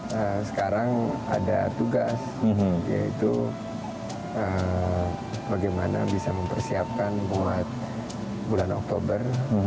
nah sekarang ada tugas yaitu bagaimana bisa mempersiapkan buat bulan oktober